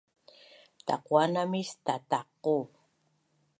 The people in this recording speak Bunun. Taquan namis tataqu